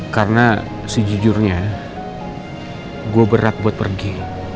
karena sejujurnya gue berat buat pergi